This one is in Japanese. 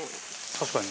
確かに。